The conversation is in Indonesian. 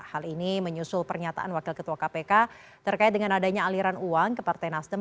hal ini menyusul pernyataan wakil ketua kpk terkait dengan adanya aliran uang ke partai nasdem